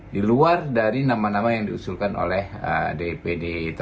di luar dari nama nama yang diusulkan oleh dpd